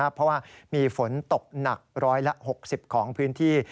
เพราะว่ามีฝนตกหนัก๑๖๐ของพื้นที่